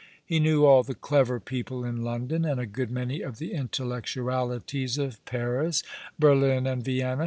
He knew all the clever people in London, and a good many of the intellectualities of Paris, lo All along the River. Berlin, and Vienna.